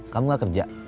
kamu gak kerja